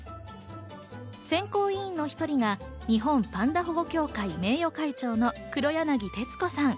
選考委員の１人が日本パンダ保護協会名誉会長の黒柳徹子さん。